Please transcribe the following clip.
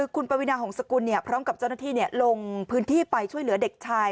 คุณปวินาหงษกุลพร้อมกับเจ้าหน้าที่ลงพื้นที่ไปช่วยเหลือเด็กชาย